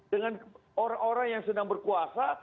dengan orang orang yang sedang berkuasa